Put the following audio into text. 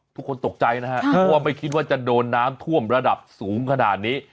ทุกคนตกใจนะครับเพราะว่าไม่คิดว่าจะโดนน้ำท่วมระดับสูงขนาดนี้